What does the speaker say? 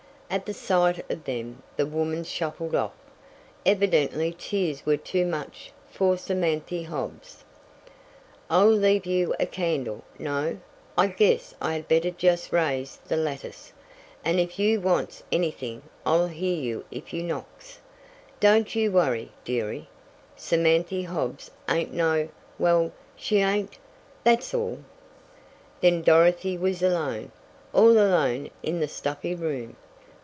At the sight of them the woman shuffled off. Evidently tears were too much for Samanthy Hobbs. "I'll leave you a candle no, I guess I had better jest raise the lattice, and if you wants anything I'll hear you if you knocks. Don't you worry, dearie. Samanthy Hobbs ain't no well, she ain't, that's all!" Then Dorothy was alone all alone in the stuffy room.